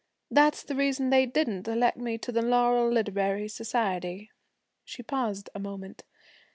That's the reason they didn't elect me to the Laurel Literary Society.' She paused a moment.